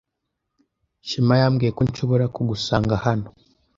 Shema yambwiye ko nshobora kugusanga hano.